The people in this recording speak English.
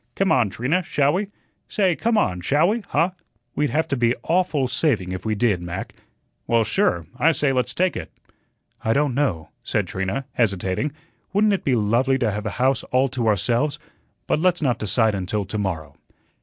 Come on, Trina, shall we? Say, come on, shall we, huh?" "We'd have to be awful saving if we did, Mac." "Well, sure, I say let's take it." "I don't know," said Trina, hesitating. "Wouldn't it be lovely to have a house all to ourselves? But let's not decide until to morrow."